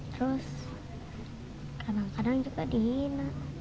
terus kadang kadang juga dihina